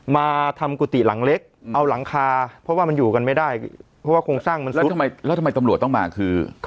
มาทำกุฏิหลังเล็กเอาหลังคาเพราะว่ามันอยู่กันไม่ได้เพราะว่าโครงสร้างมันแล้วทำไมตำรวจต้องมาคือ